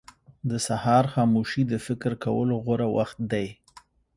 • د سهار خاموشي د فکر کولو غوره وخت دی.